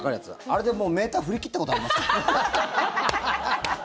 あれでもうメーター振り切ったことあります。